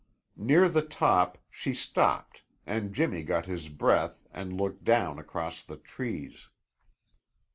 Near the top she stopped and Jimmy got his breath and looked down across the trees.